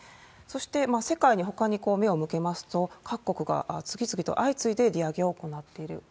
そして、世界にほかに目を向けますと、各国が次々と相次いで利上げを行っている。